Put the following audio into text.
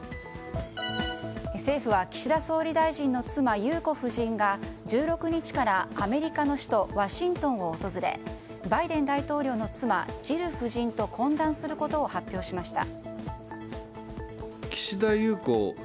政府は岸田総理大臣の妻裕子夫人が１６日からアメリカの首都ワシントンを訪れバイデン大統領の妻ジル夫人と懇談することを発表しました。